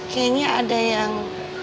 kayaknya ada yang